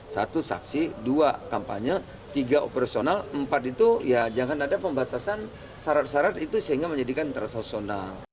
satu saksi dua kampanye tiga operasional empat itu ya jangan ada pembatasan syarat syarat itu sehingga menjadikan transaksional